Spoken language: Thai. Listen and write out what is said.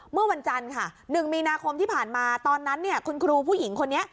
เมื่อวันจันทร์ค่ะ๑มีนาคมที่ผ่านมาตอนนั้นเนี่ยคุณครูผู้หญิงคนนี้